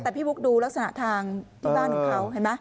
แต่พี่บุ๊คดูลักษณะทางที่บ้านของเขาเห็นไหม